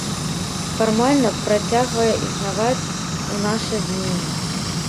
Фармальна працягвае існаваць у нашы дні.